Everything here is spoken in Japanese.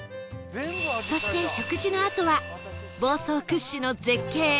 そして食事のあとは房総屈指の絶景あじさい